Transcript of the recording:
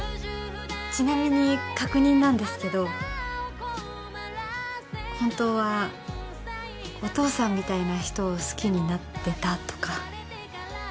ちなみに確認なんですけど本当はお父さんみたいな人を好きになってたとか？